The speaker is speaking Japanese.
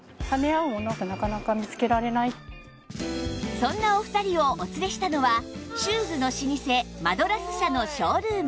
そんなお二人をお連れしたのはシューズの老舗マドラス社のショールーム